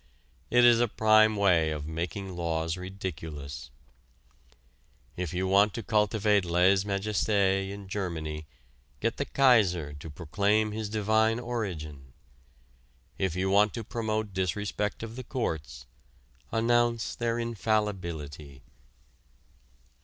It is a prime way of making laws ridiculous; if you want to cultivate lèse majesté in Germany get the Kaiser to proclaim his divine origin; if you want to promote disrespect of the courts, announce their infallibility.